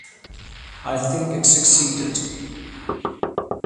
I think it succeeded.